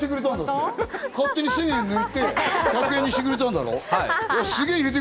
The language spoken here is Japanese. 勝手に１０００円抜いて、１００円にしてくれたんだろ？